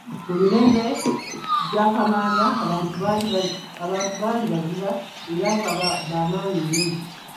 Ku mirembe gya Kamaanya abantu baali bazira era nga ba maanyi nnyo.